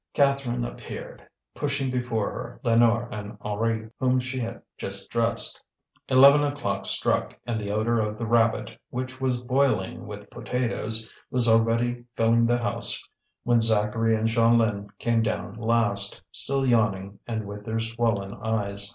Catherine appeared, pushing before her Lénore and Henri, whom she had just dressed. Eleven o'clock struck, and the odour of the rabbit, which was boiling with potatoes, was already filling the house when Zacharie and Jeanlin came down last, still yawning and with their swollen eyes.